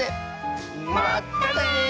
まったね！